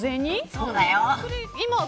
そうだよ。